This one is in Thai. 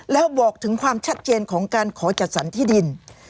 แล้วบอกถึงความชัดเจนของการขอจัดสรรที่ดิน